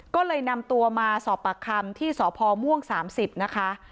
ก็เลยนำตัวมาสอบปากคำที่สพม่วง๓๐นะคะ